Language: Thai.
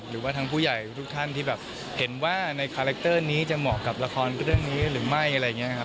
หรือว่าทั้งผู้ใหญ่ทุกท่านที่แบบเห็นว่าในคาแรคเตอร์นี้จะเหมาะกับละครเรื่องนี้หรือไม่อะไรอย่างนี้ครับ